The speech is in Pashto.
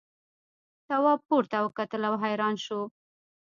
تواب پورته وکتل او حیران شو.